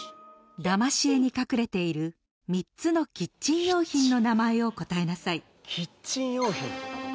だまし絵に隠れている３つのキッチン用品の名前を答えなさい。